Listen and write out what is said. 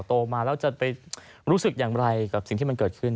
โตมาแล้วจะไปรู้สึกอย่างไรกับสิ่งที่มันเกิดขึ้น